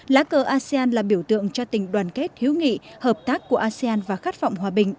lá cờ asean là biểu tượng cho tình đoàn kết hiếu nghị hợp tác của asean và khát vọng hòa bình